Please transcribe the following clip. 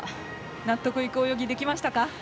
納得いく泳ぎ、できましたか？